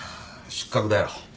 失格だよ。